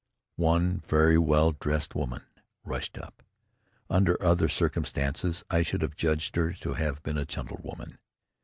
One very well dressed woman rushed up. Under other circumstances I should have judged her to have been a gentlewoman.